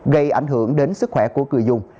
gây ảnh hưởng đến sức khỏe của người dùng